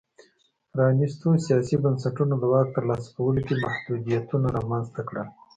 پرانیستو سیاسي بنسټونو د واک ترلاسه کولو کې محدودیتونه رامنځته کړل.